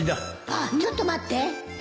あっちょっと待って